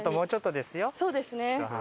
そうですね。